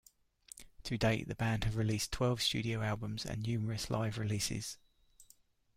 To date, the band have released twelve studio albums, and numerous live releases.